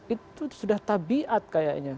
itu sudah tabiat kayaknya